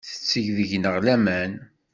Tetteg deg-neɣ laman.